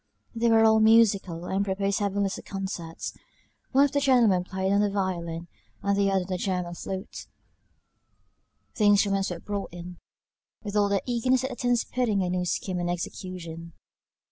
They were all musical, and proposed having little concerts. One of the gentlemen played on the violin, and the other on the german flute. The instruments were brought in, with all the eagerness that attends putting a new scheme in execution.